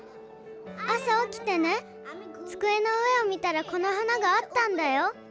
朝おきてねつくえの上を見たらこの花があったんだよ。